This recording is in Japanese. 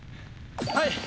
はい！